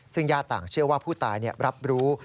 ซึ่งญาติต่างเชื่อว่าผู้ตายรับรู้